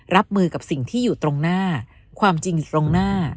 รับมือกับสิ่งที่อยู่ตรงหน้าความจริงอยู่ตรงหน้า